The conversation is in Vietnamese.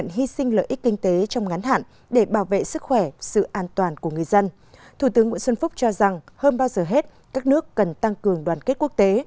thủ tướng nguyễn xuân phúc cho rằng hơn bao giờ hết các nước cần tăng cường đoàn kết quốc tế